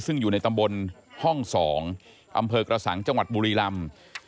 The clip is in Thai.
ซึ่งอยู่ในตำบลห้อง๒อำเภอกระสังจังหวัดบุรีลำ